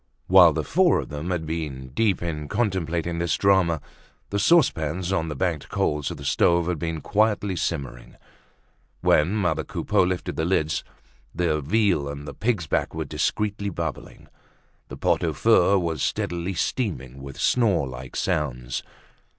While the four of them had been deep in contemplating this drama, the saucepans on the banked coals of the stoves had been quietly simmering. When mother Coupeau lifted the lids, the veal and the pig's back were discreetly bubbling. The pot au feu was steadily steaming with snore like sounds.